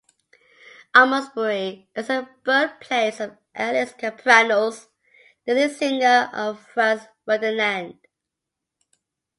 Almondsbury is the birthplace of Alex Kapranos, the lead singer of Franz Ferdinand.